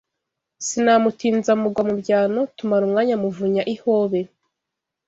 Sinamutinza mugwa mu byano Tumara umwanya muvunya ihobe